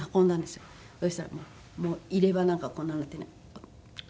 そしたらもう入れ歯なんかこんなんなってね。